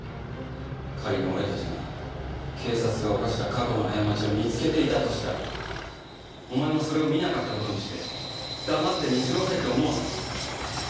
仮に俺たちが警察が犯した過去の過ちを見つけていたとしたらお前もそれを見なかった事にして黙って見過ごせって思うのか？